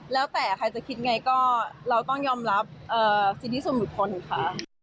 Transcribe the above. แล้วแต่ใครจะคิดไงก็เราต้องยอมรับสิทธิส่วนบุคคลค่ะ